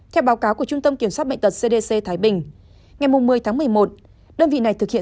theo báo cáo của trung tâm kiểm soát bệnh tật cdc thái bình ngày một mươi tháng một mươi một đơn vị này thực hiện